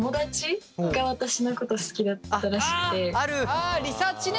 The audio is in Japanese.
あリサーチね。